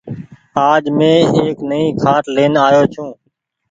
آج مين ايڪ نئي کآٽ لين آئو ڇون۔